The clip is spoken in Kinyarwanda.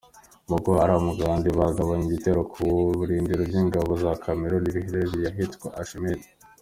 Boko Haram kandi yagabye igitero ku birindiro by’ingabo za Kameruni biherereye ahitwa Amchide.